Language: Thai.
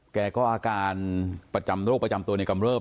แกก็อาการประจำโรคประจำตัวในกำเริบ